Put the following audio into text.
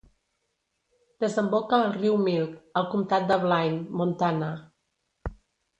Desemboca al riu Milk al comtat de Blaine, Montana.